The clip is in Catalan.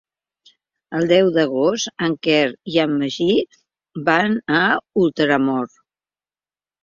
El deu d'agost en Quer i en Magí van a Ultramort.